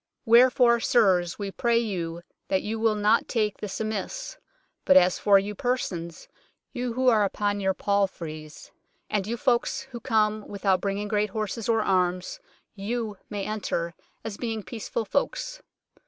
Wherefore, sirs, we pray you that you will not take this amiss ; but as for you persons, you who are upon your palfreys, and you folks who come without bringing great horses or arms, you may enter, as being peaceful folks.'